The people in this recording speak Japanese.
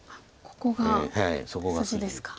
ここが筋ですか。